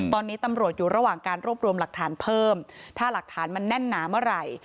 ตอนนี้ตำรวจอยู่ระหว่างการรวบรวมหลักฐานเพิ่มถ้าหลักฐานมันแน่นหนาเมื่อไหร่